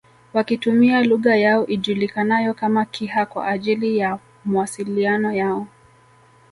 Wakitumia lugha yao ijulikanayo kama Kiha kwa ajili ya mwasiliano yao